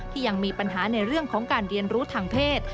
ยังมีปัญหาในเรื่องของการเรียนรู้ทางเพศ